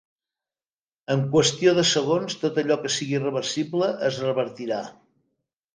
En qüestió de segons, tot allò que sigui reversible es revertirà.